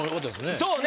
そうね。